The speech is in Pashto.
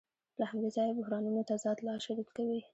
له همدې ځایه بحرانونه تضاد لا شدید کوي